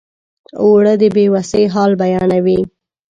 اوړه د بې وسۍ حال بیانوي